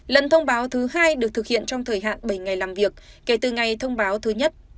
lần thông báo thứ hai được thực hiện trong thời hạn bảy ngày làm việc kể từ ngày thông báo thứ nhất